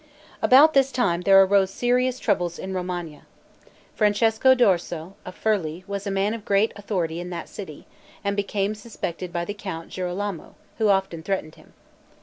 About this time, there arose serious troubles in Romagna. Francesco d'Orso, of Furli, was a man of great authority in that city, and became suspected by the count Girolamo, who often threatened him.